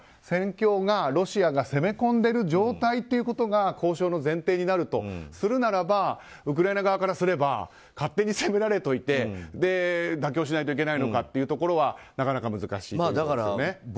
戦況が、ロシアが攻め込んでる状態ということが交渉の前提になるとするならばウクライナ側からすれば勝手に攻められといて妥協しないといけないのかというところはなかなか難しいというわけですよね。